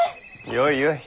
よいよい。